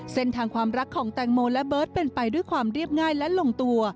เส้นทางความรักของแตงโมและเบิร์ตเป็นไปด้วยความเรียบง่ายและลงตัว